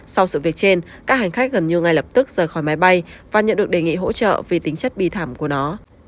sau sự việc trên các hành khách gần như ngay lập tức rời khỏi máy bay và nhận được đề nghị hỗ trợ vì tính chất bi thảm của nó